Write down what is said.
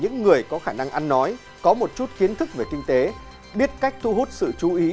những người có khả năng ăn nói có một chút kiến thức về kinh tế biết cách thu hút sự chú ý